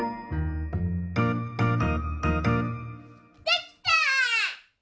できた！